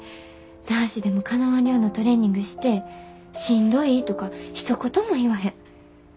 男子でもかなわん量のトレーニングしてしんどいとかひと言も言わへん。